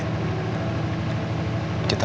kita udah lakukan yang terbaik